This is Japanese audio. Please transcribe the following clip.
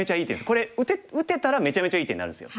これ打てたらめちゃめちゃいい手になるんですよ。